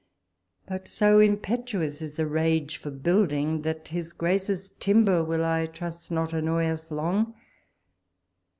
but so impetuous is the rage for build ing, that his G race's timber will, I trust, not annoy us long.